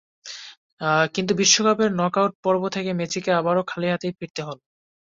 কিন্তু বিশ্বকাপের নকআউট পর্ব থেকে মেসিকে আবারও খালি হাতেই ফিরতে হলো।